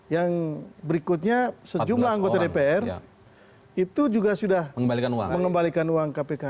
yang berikutnya sejumlah anggota dpr itu juga sudah mengembalikan uang kpk